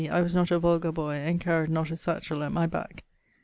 I was not a vulgar boy and carried not a satchell at my back.